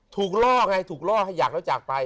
ล่อไงถูกล่อให้อยากแล้วจากไป